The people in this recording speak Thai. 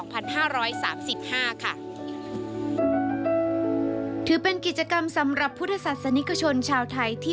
ปี๒๕๓๕ค่ะถือเป็นกิจกรรมสำหรับพุทธศัตริย์สนิกชนชาวไทยที่